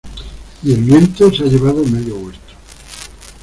y el viento se ha llevado medio huerto.